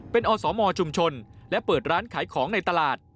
เป็นอสมชุมชนและเปิดร้านขายของในตลาด